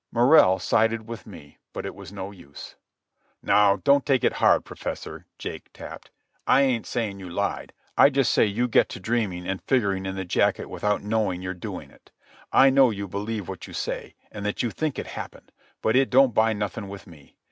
Morrell sided with me, but it was no use. "Now don't take it hard, Professor," Jake tapped. "I ain't saying you lied. I just say you get to dreaming and figuring in the jacket without knowing you're doing it. I know you believe what you say, and that you think it happened; but it don't buy nothing with me.